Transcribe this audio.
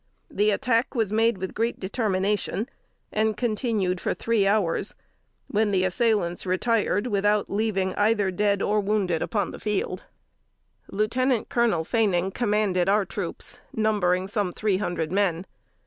The attack was made with great determination, and continued for three hours, when the assailants retired without leaving either dead or wounded upon the field. Lieutenant Colonel Faning commanded our troops, numbering some three hundred men.